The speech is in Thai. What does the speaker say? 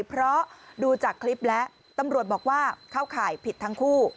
เพราะดูจากคลิปแล้วตำรวจบอกว่าเข้าข่ายผิดทั้งคู่